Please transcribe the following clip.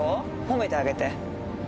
褒めてあげて。